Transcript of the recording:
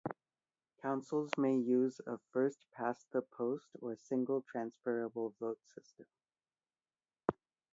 Councils may use a first past the post or single transferable vote system.